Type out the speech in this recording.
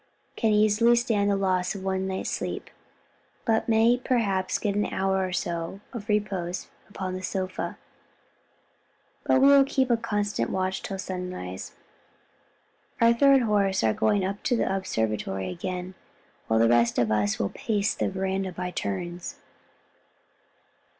"Can easily stand the loss of one night's sleep, but may perhaps get an hour or so of repose upon the sofas. But we will keep a constant watch till sunrise. Arthur and Horace are going up to the observatory again, while the rest of us will pace the veranda by turns."